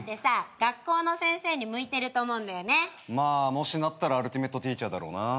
もしなったらアルティメットティーチャーだろうな。